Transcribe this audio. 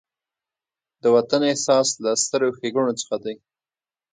د وطن احساس له سترو ښېګڼو څخه دی.